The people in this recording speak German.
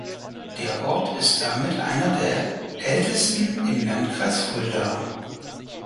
Der Ort ist damit einer der ältesten im Landkreis Fulda.